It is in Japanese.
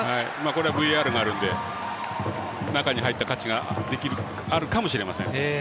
これはＶＡＲになるので中に入った価値があるかもしれません。